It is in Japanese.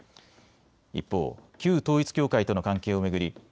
一方、旧統一教会との関係を巡り